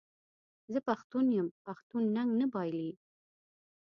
زه پښتون یم پښتون ننګ نه بایلي.